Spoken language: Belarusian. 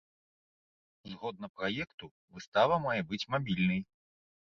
Згодна праекту, выстава мае быць мабільнай.